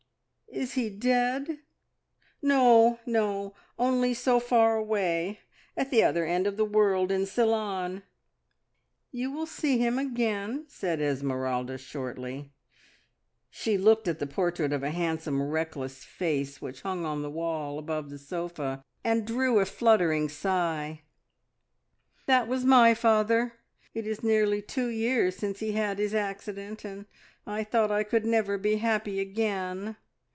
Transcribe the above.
"Is he dead?" "No, no, only so far away. At the other end of the world, in Ceylon!" "You will see him again!" said Esmeralda shortly. She looked at the portrait of a handsome, reckless face which hung on the wall above the sofa, and drew a fluttering sigh. "That was my father. It is nearly two years since he had his accident, and I thought I could never be happy again.